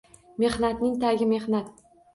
Mehnatning tagi mehnat